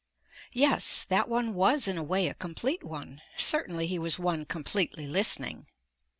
Yes that one was in a way a complete one, certainly he was one completely listening.